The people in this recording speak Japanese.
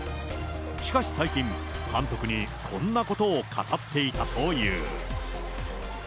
しかし最近、監督にこんなことを語っていたという。